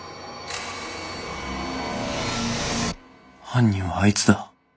犯人はあいつだ。